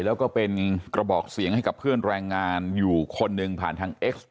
แล้วก็เป็นกระบอกเสียงให้กับเพื่อนแรงงานอยู่คนหนึ่งผ่านทางเอ็กซ์